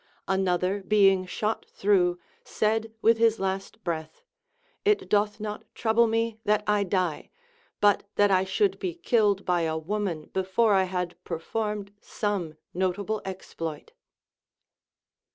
Another being shot through said with his last breath : It doth not trouble me that I die, but that I should be killed by a woman before I had performed some notable exploit.